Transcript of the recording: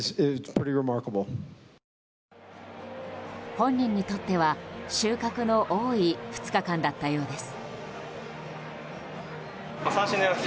本人にとっては収穫の多い２日間だったようです。